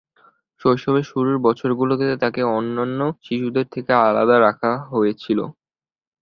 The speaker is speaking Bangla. শৈশবের শুরুর বছরগুলোতে তাকে অন্যান্য শিশুদের থেকে আলাদা রাখা হয়েছিল।